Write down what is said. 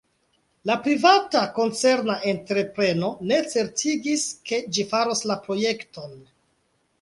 La privata koncerna entrepreno ne certigis, ke ĝi faros la projekton.